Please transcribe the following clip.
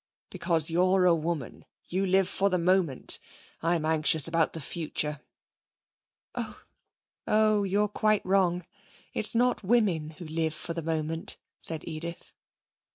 'Because you're a woman. You live for the moment. I'm anxious about the future.' 'Oh, oh! You're quite wrong. It's not women who live for the moment,' said Edith.